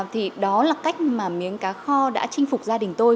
thì đó là cách mà miếng cá kho đã chinh phục gia đình tôi